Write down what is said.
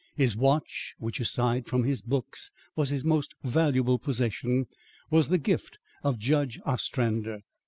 His watch, which aside from his books was his most valuable possession, was the gift of Judge Ostrander.